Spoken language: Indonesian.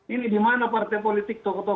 ini dimana partai politik tokoh tokoh